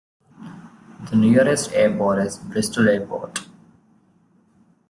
The nearest airport is Bristol Airport.